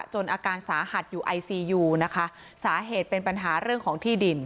อาการสาหัสอยู่ไอซียูนะคะสาเหตุเป็นปัญหาเรื่องของที่ดิน